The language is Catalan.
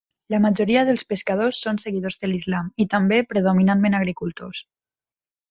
La majoria dels pescadors són seguidors de l'Islam i també predominantment agricultors.